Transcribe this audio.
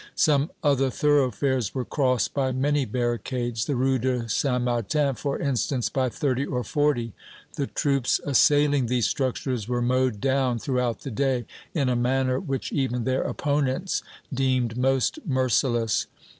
Some other thoroughfares were crossed by many barricades the Rue St. Martin, for instance, by thirty or forty. The troops assailing these structures were mowed down, throughout the day, in a manner which even their opponents deemed most merciless.